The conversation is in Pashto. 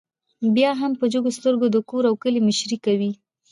بيا هم په جګو سترګو د کور او کلي مشري کوي